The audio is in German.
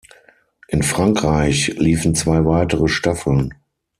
In Frankreich liefen zwei weitere Staffeln.